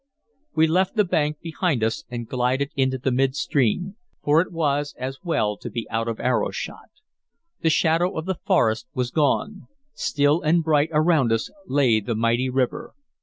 We left the bank behind us and glided into the midstream, for it was as well to be out of arrowshot. The shadow of the forest was gone; still and bright around us lay the mighty river.